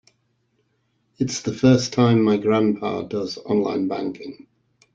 It's the first time my grandpa does online banking.